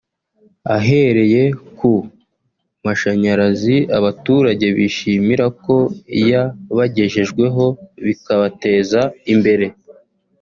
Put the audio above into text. Ahereye no ku mashanyarazi abaturage bishimira ko yabagejejweho bikabateza imbere